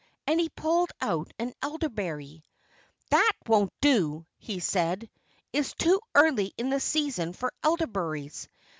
And he pulled out an elderberry. "That won't do!" he said. "It's too early in the season for elderberries."